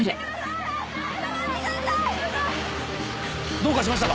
どうかしましたか？